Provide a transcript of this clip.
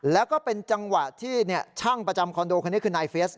แล้วก็เป็นจังหวะที่ช่างประจำคอนโดคนนี้คือนายเฟียส